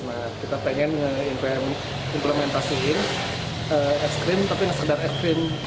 nah kita pengen implementasiin es krim tapi sekedar es krim